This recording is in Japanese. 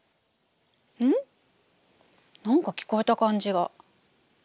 なんか聞こえた感じが。